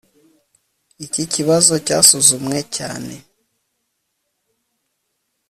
Iki kibazo cyasuzumwe cyane